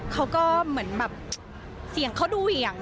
เขาก็เหมือนแบบเสียงเขาดูเหวี่ยง